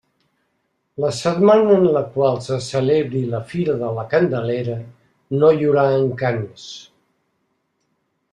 La setmana en la qual se celebri la Fira de la Candelera no hi haurà Encants.